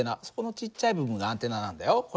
そこのちっちゃい部分がアンテナなんだよ。